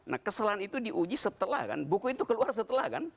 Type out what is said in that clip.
nah kesalahan itu diuji setelah kan buku itu keluar setelah kan